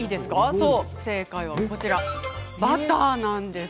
そう正解はバターなんです。